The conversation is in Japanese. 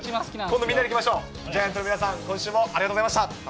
今度みんなで行きましょう、ジャイアンツの皆さん、今週もありがとうございました。